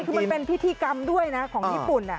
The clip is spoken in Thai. คือมันเป็นพิธีกรรมด้วยนะของญี่ปุ่น